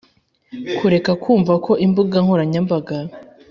kureka kumva ko imbuga nkoranyambaga